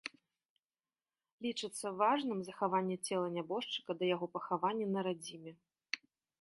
Лічыцца важным захаванне цела нябожчыка да яго пахавання на радзіме.